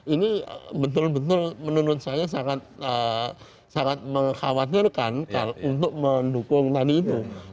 ini betul betul menurut saya sangat mengkhawatirkan untuk mendukung tadi itu